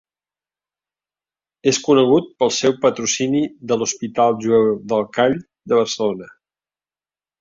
És conegut pel seu patrocini de l'hospital jueu del Call de Barcelona.